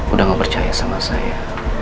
udah gak percaya sama saya